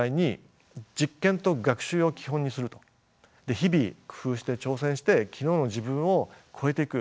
日々工夫して挑戦して昨日の自分を超えていく。